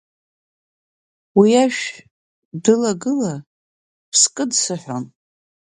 Уи ашә дылагыла ԥскы дсыҳәон…